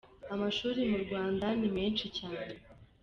Amashuri mu Rwanda ni menshi cyane.